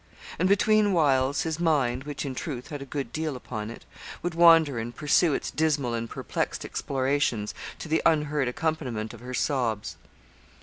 And between whiles his mind, which, in truth, had a good deal upon it, would wander and pursue its dismal and perplexed explorations, to the unheard accompaniment of her sobs.